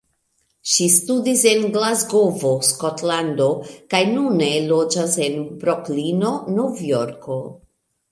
Ŝi studis en Glasgovo, Skotlando, kaj nune loĝas en Broklino, Novjorko.